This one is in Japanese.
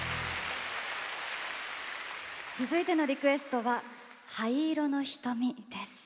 続いてのリクエストは「灰色の瞳」です。